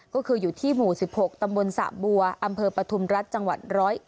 ก็คืออยู่ที่หมู่๑๖ตำบลสะบัวอำเภอปฐุมรัฐจังหวัด๑๐๑